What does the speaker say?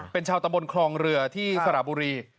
เป็นชาวตำบลคลองเรือที่สระบุรี